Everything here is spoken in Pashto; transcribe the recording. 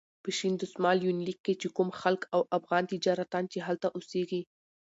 په شین دسمال یونلیک کې چې کوم خلک او افغان تجاران چې هلته اوسېږي.